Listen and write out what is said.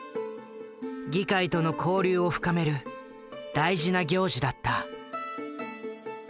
議会との交流を深める大事な行事だった。